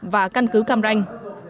và căn cứ cam ranh